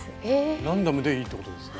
ランダムでいいってことですね。